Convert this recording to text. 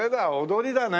踊りだね。